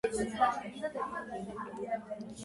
ეს მოხდა ესპანელების შემოჭრამდე რამდენიმე ასეული წლით ადრე.